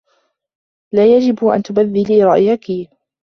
لا يجب ان تبدلي رايك